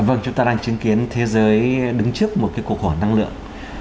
vâng chúng ta đang chứng kiến thế giới đứng trước một cuộc khủng hoảng năng lượng